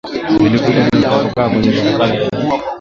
vilikutwa vimetapakaa kwenye barabara yenye